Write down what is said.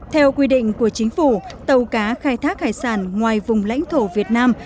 theo quy định của chính phủ tàu cá khai thác hải sản ngoài vùng lãnh thổ việt nam